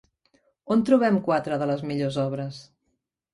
On trobem quatre de les millors obres?